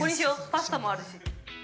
パスタもあるし。